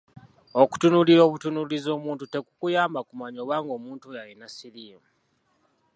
Okutunuulira obutuunuulizi omuntu tekukuyamba kumanya oba ng’omuntu oyo alina siriimu.